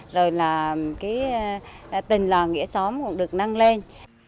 rồi là tình lòng nghĩa xóm cũng được năng lên